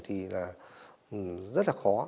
thì là rất là khó